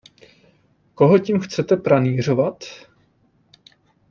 Koho tím chcete pranýřovat?